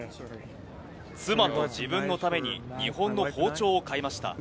妻と自分のために、日本の包丁を買いました。